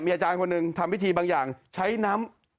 อาจารย์คนหนึ่งทำพิธีบางอย่างใช้น้ำ